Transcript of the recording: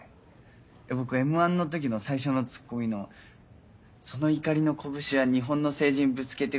僕『Ｍ−１』の時の最初のツッコミの「その怒りの拳は日本の政治にぶつけてください」。